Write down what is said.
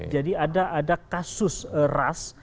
jadi ada kasus ras